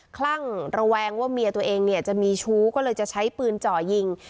คลั่งระแวงว่าเมียตัวเองเนี่ยจะมีชู้ก็เลยจะใช้ปืนจ่อยิง